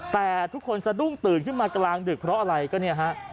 แต่ทุกคนสะดุ้งตื่นขึ้นมากลางดึกเพราะอะไรก็เนี่ยฮะ